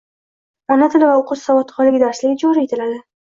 «Ona tili va o‘qish savodxonligi» darsligi joriy etiladi